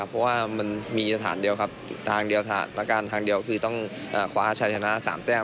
เพราะว่ามีสถานเดียวครับคือต้องคว้าชายทะลา๓แต้ม